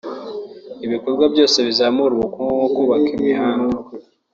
Ibikorwa byose bizamura ubukungu nko kubaka imihanda